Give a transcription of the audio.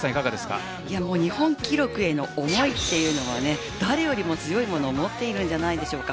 日本記録への思いというのが誰よりも強いものを持っているんじゃないでしょうか。